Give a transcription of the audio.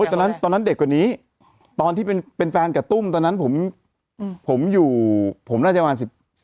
ตอนนั้นเด็กกว่านี้ตอนที่เป็นแฟนกับตุ้มตอนนั้นผมอยู่ผมน่าจะประมาณ๑๔